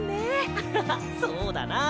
アハハそうだな。